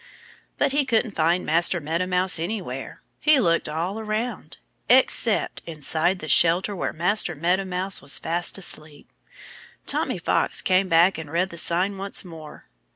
But he couldn't find Master Meadow Mouse anywhere. He looked all around except inside the shelter where Master Meadow Mouse was fast asleep. Tommy Fox came back and read the sign once more.